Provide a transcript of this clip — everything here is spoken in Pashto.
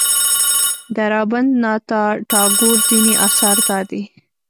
د رابندر ناته ټاګور ځینې اثار دادي.